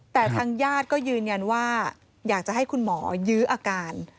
แต่ทางญาติก็ยืนยันว่าอยากจะให้คุณหมอยื้ออาการ